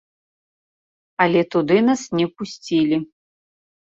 Але туды нас не пусцілі.